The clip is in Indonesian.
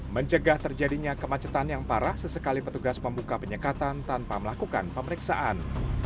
mencegah terjadinya kemacetan yang parah sesekali petugas membuka penyekatan tanpa melakukan pemeriksaan